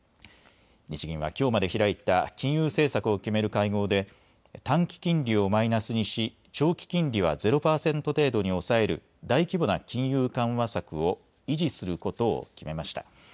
日銀はきょうまで開いた金融政策を決める会合で短期金利をマイナスにし長期金利はゼロ％程度に抑える大規模な金融緩和策を維持することを決めました。